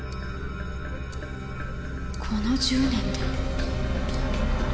この１０年で。